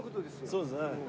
そうですね。